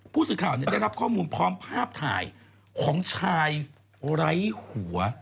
ผู้สื่อข่าวได้รับข้อมูลพร้อมภาพถ่ายของชายไร้หัว